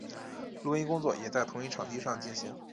录音工作也在同一场地上进行。